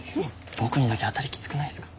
僕にだけ当たりきつくないですか？